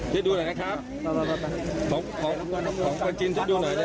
เจ๊ดดูหน่อยนะครับไปไปไปไปของของของของจิ้นเจ๊ดดูหน่อยนะฮะ